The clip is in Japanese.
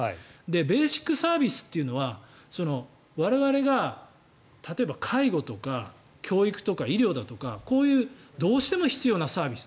ベーシックサービスっていうのは我々が、例えば介護とか教育とか医療だとかこういうどうしても必要なサービス